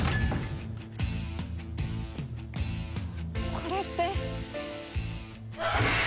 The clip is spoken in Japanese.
これって。